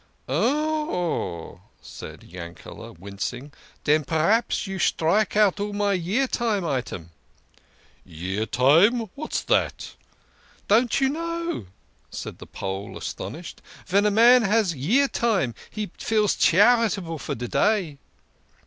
" Oh," said Yankele, wincing. " Den p'raps you strike out all my Year Time item !"" Year Time ! What's that ?" "Don't you know?" said the Pole, astonished. "Ven a man has Year Time, he feels charitable for de day."